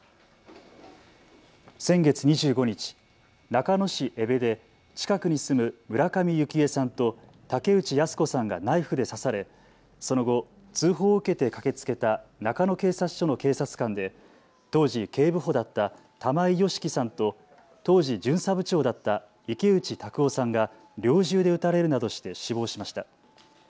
先月２５日、中野市江部で近くに住む村上幸枝さんと竹内靖子さんがナイフで刺され、その後、通報を受けて駆けつけた中野警察署の警察官で当時警部補だった玉井良樹さんと当時巡査部長だった池内卓夫さんが猟銃で撃たれるなどして死亡しました。